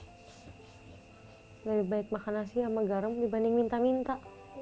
lebih baik makan nasi sama garam dibanding minta minta